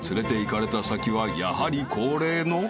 ［やはり恒例の］